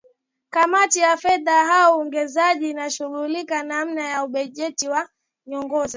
kamati ya fedha na uwekezaji inashughulikia maombi ya bajeti ya nyongeza